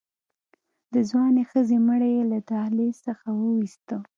د ځوانې ښځې مړی يې له دهلېز څخه ووېسته.